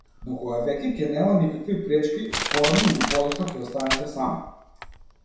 Но кога веќе ќе нема никакви пречки, порано или подоцна ќе останете сами!